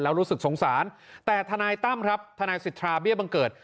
แล้วรู้สึกสงสารแต่ทนายตั้มครับทนายสิทธาเบี้ยบังเกิด